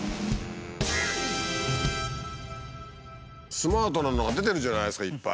スマートなのが出てるじゃないですかいっぱい。